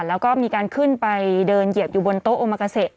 แล้วก็มีการขึ้นไปเดินเหยียบอยู่บนโต๊ะโอมากาเซ